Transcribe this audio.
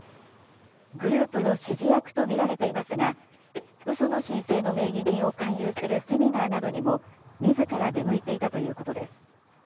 グループの指示役と見られていますが、うその申請の名義人を勧誘するセミナーなどにも、みずから出向いていたということです。